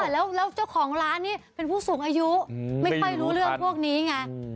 แล้วเจ้าของร้านนี่เป็นผู้สูงอายุไม่ค่อยรู้เรื่องพวกนี้ไง